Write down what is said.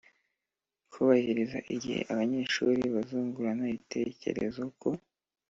Kubahiriza igihe Abanyeshuri bazungurana ibitekerezo ku